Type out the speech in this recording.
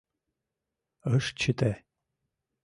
Ыш чыте.